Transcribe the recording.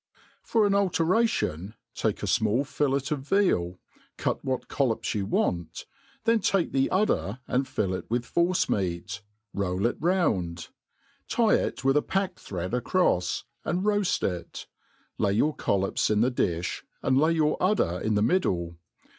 FOR an alteration, take a fmall fillet of veal, cut what |n)iIops you want, then take the udder and fill it with force* meat, roll it round, tie it with a pack thread acro(s, and r9aft it I lay your coUops in the di(b, and lay your udder in the middle.